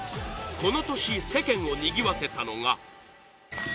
この年世間をにぎわせたのが